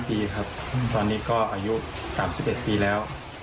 ตอนนี้ก็อายุ๓๑ปีแล้ว